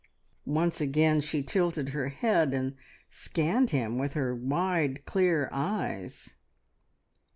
Once again she tilted her head and scanned him with her wide, clear eyes.